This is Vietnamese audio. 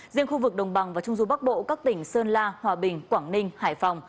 riêng khu vực đồng bằng và trung du bắc bộ các tỉnh sơn la hòa bình quảng ninh hải phòng